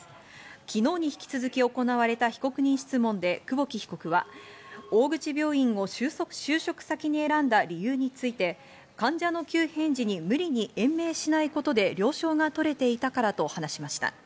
昨日に引き続き行われた被告人質問で久保木被告は、大口病院を就職先に選んだ理由について患者の急変時に無理に延命しないことで了承が取れていたからと話しました。